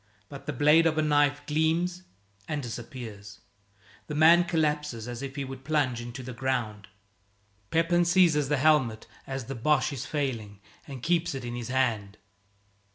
But the blade of a knife gleams and disappears. The man collapses as if he would plunge into the ground. Pepin seizes the helmet as the Boche is failing and keeps it in his hand.